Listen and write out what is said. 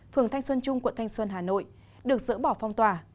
phường thanh xuân trung quận thanh xuân hà nội được dỡ bỏ phong tỏa